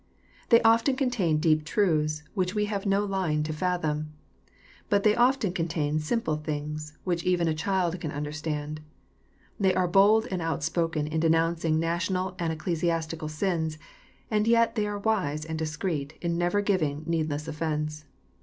They often contain deep truths, which we have no line to fathom. But they often contain simple things, which even a child can understand. They are bold and outspoken in denouncing national and ecclesiastical sins, and yet they are wise and discreet in never giving needless offence.